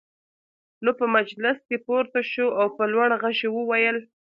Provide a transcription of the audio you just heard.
نو په مجلس کې پورته شو او په لوړ غږ يې وويل: